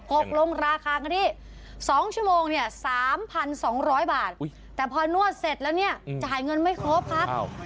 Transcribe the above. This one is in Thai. ตกลงราคากันที่๒ชั่วโมงเนี่ย๓๒๐๐บาทแต่พอนวดเสร็จแล้วเนี่ยจ่ายเงินไม่ครบครับ